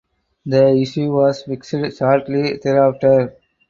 The issue was fixed shortly thereafter.